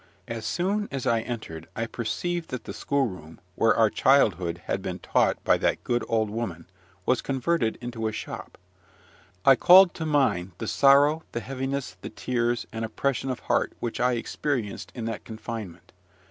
As soon as I entered, I perceived that the schoolroom, where our childhood had been taught by that good old woman, was converted into a shop. I called to mind the sorrow, the heaviness, the tears, and oppression of heart, which I experienced in that confinement.